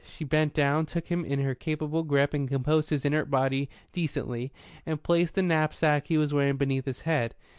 She bent down, took him in her capable grip and composed his inert body decently, and placed the knapsack he was wearing beneath his head.